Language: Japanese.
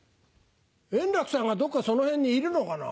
円楽さんがどっかその辺にいるのかな？